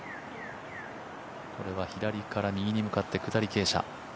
これは左から右に向かって下り傾斜。